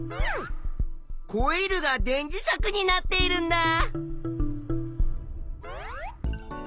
コイルが電磁石になっているんだ！